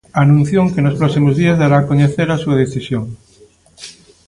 Anunciou que nos próximos días dará a coñecer a súa decisión.